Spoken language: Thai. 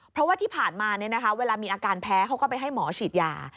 เพราะว่าที่ผ่านมาเวลามีอาการแพ้เขาก็ไปให้หมอฉีดยา